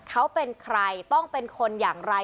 เขาเป็นใครต้องเป็นคนอย่างไร